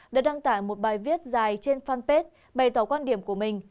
đã đăng tải một bài viết dài trên fanpage bày tỏ quan điểm của mình